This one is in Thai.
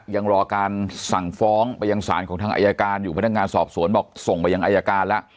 ยังรอการสั่งฟ้องไปยังศาลของทางอายการอยู่พนักงานสอบสวนบอกส่งไปยังอายการแล้ว